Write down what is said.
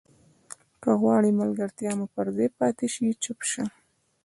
که غواړې ملګرتیا مو پر ځای پاتې شي چوپ شه.